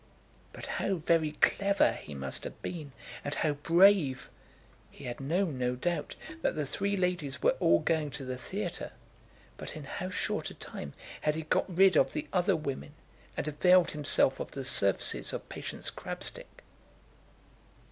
But how very clever he must have been, and how brave! He had known, no doubt, that the three ladies were all going to the theatre; but in how short a time had he got rid of the other women and availed himself of the services of Patience Crabstick!